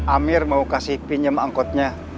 amir mau kasih pinjam angkotnya